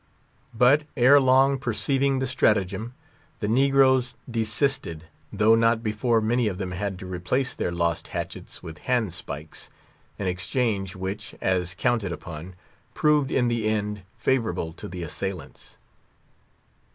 But, ere long, perceiving the stratagem, the negroes desisted, though not before many of them had to replace their lost hatchets with handspikes; an exchange which, as counted upon, proved, in the end, favorable to the assailants.